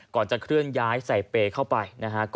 ก่อนจะเคลื่อนย้ายใส่เปรย์เข้าไปนะฮะ